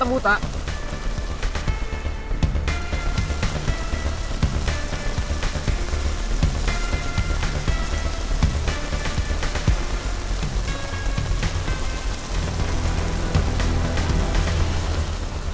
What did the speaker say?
semoga lu baik baik aja putri